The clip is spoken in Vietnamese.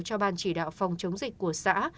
cho ban chỉ đạo phòng chống dịch của xã